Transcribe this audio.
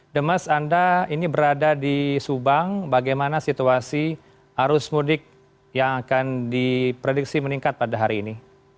demas anda ini berada di subang bagaimana situasi arus mudik yang akan diprediksi meningkat pada hari ini